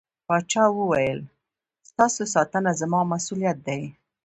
پاچا وويل: ستاسو ساتنه زما مسووليت دى.